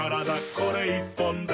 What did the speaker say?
これ１本で」